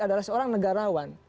adalah seorang negarawan